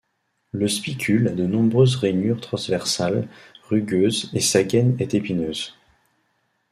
Le spicule a de nombreuses rainures transversales rugueuses et sa gaine est épineuse.